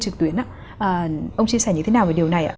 trực tuyến ạ ông chia sẻ như thế nào về điều này ạ